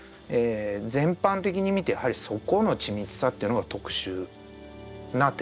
全般的に見てやはりそこの緻密さというのが特殊な点だと思います。